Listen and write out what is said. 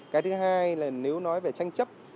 cái thứ hai là nếu nói về tranh chấp